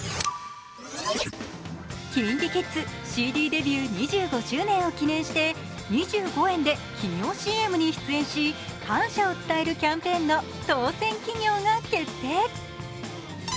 ＫｉｎＫｉＫｉｄｓ、ＣＤデビュー２５周年を記念して２５円で企業ＣＭに出演し、感謝を伝えるキャンペーンの当選企業が決定。